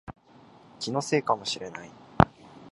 気のせいかもしれない